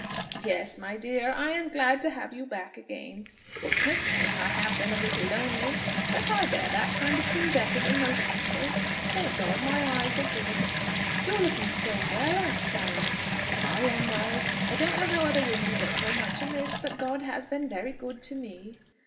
"Yes, my dear, I am glad to have you back again. Of course I have been a little lonely, but I bear that kind of thing better than most people. Thank God, my eyes are good." "You are looking so well, Aunt Sarah!" "I am well. I don't know how other women get so much amiss; but God has been very good to me."